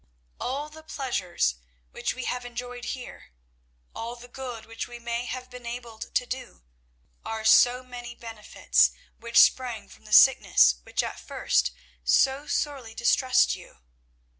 All the pleasures which we have enjoyed here, all the good which we may have been enabled to do, are so many benefits which sprang from the sickness which at first so sorely distressed you.